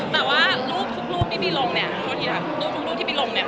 แต่ว่าลูกทุกทุกทุกทุกที่มีลงเนี่ย